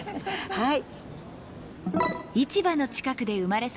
はい。